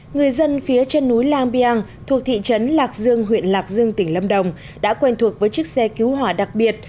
người dân phía trên núi lang biang thuộc thị trấn lạc dương huyện lạc dương tỉnh lâm đồng đã quen thuộc với chiếc xe cứu hỏa đặc biệt